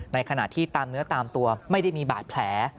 ในขณะที่ตามเนื้อตามตัวไม่ได้มีบาดแผล